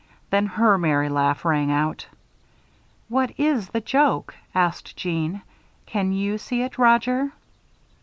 Then her merry laugh rang out. "What is the joke?" asked Jeanne. "Can you see it, Roger?"